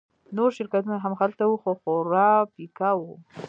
نور شرکتونه هم هلته وو خو خورا پیکه وو